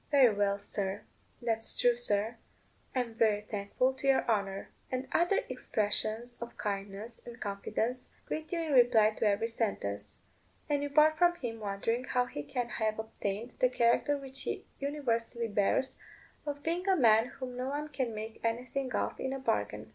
"Very well, sir;" "That's true, sir;" "I'm very thankful to your honour," and other expressions of kindness and confidence greet you in reply to every sentence; and you part from him wondering how he can have obtained the character which he universally bears, of being a man whom no one can make anything of in a bargain.